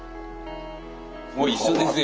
もう一緒ですよ